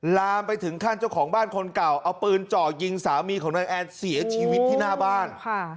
ลามไปถึงขั้นเจ้าของบ้านคนเก่าเอาปืนเจาะยิงสามีของนายแอนเสียชีวิตที่หน้าบ้าน